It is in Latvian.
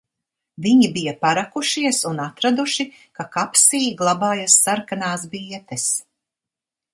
Viņi bija parakušies un atraduši, ka kapsī glabājas sarkanās bietes.